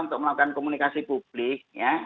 untuk melakukan komunikasi publik